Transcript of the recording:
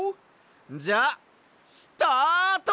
じゃあスタート！